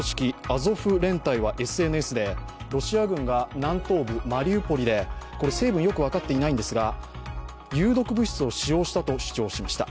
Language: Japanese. アゾフ連隊はＳＮＳでロシア軍が南東部マリウポリで成分はよく分かっていないんですが、有毒物質を使用したと主張しました。